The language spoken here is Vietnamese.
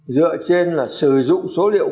dựa trên là sử dụng số liệu